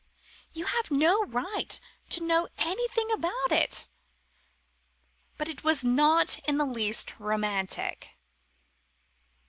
You have no right to know anything about it, but it was not in the least romantic."